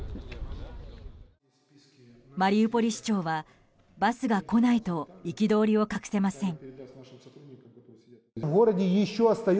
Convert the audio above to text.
マリウポリ市長はバスが来ないと憤りを隠せません。